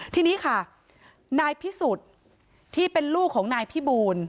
ทีนี้ค่ะนายพิสุทธิ์ที่เป็นลูกของนายพิบูล